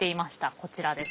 こちらです。